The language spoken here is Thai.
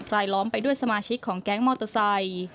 รายล้อมไปด้วยสมาชิกของแก๊งมอเตอร์ไซค์